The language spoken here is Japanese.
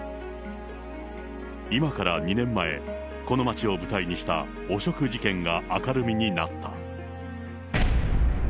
今から２年前、この町を舞台にした汚職事件が明るみになった。